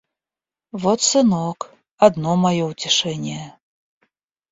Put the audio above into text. Вот сынок, одно мое утешение.